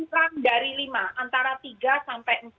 kurang dari lima antara tiga sampai empat